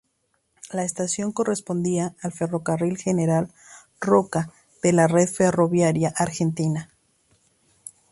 La estación correspondía al Ferrocarril General Roca de la red ferroviaria argentina.